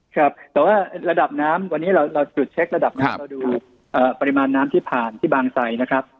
ครับแต่ว่าระดับน้ำวันนี้เราจุดเช็คระดับน้ำเราดูปริมาณน้ำที่ผ่านที่บางไซนะครับ